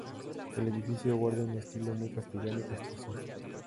El edificio guarda un estilo muy castellano y castizo.